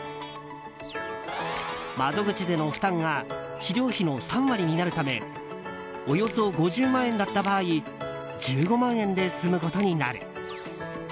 窓口での負担が治療費の３割になるためおよそ５０万円だった場合１５万円で済むことになる。